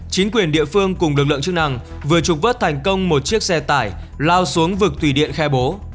chính quyền địa phương cùng lực lượng chức năng vừa trục vất thành công một chiếc xe tải lao xuống vực thủy điện khe bố